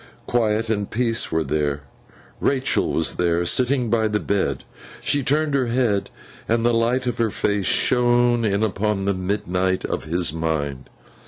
Quiet and peace were there. Rachael was there, sitting by the bed. She turned her head, and the light of her face shone in upon the midnight of his mind.